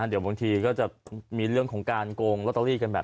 เดี๋ยวบางทีก็จะมีเรื่องของการโกงลอตเตอรี่กันแบบ